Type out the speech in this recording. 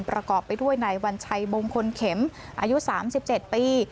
ประกอบไปด้วยนายวัญชัยมงคลเข็มอายุ๓๗ปี